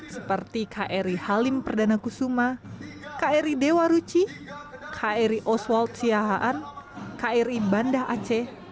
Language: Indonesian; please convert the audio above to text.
seperti kri halim perdana kusuma kri dewa ruci kri oswald siahaan kri banda aceh